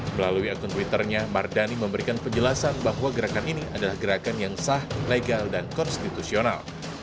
melalui akun twitternya mardani memberikan penjelasan bahwa gerakan ini adalah gerakan yang sah legal dan konstitusional